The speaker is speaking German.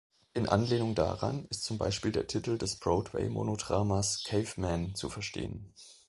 In Anlehnung daran ist zum Beispiel der Titel des Broadway-Monodramas Caveman zu verstehen.